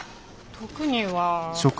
特には。